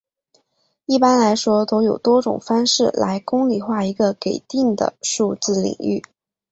一般来说都有多种方法来公理化一个给定的数学领域。